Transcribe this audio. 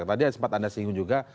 tadi sempat anda singgung juga